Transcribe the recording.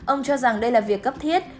ông cho rằng đây là việc cấp thiết